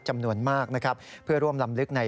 จำนวนมากนะครับเพื่อร่วมลำลึกใน